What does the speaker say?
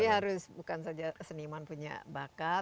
jadi harus bukan saja seniman punya bakat